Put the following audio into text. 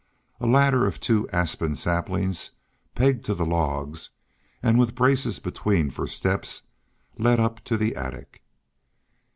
A ladder of two aspen saplings, pegged to the logs, and with braces between for steps, led up to the attic.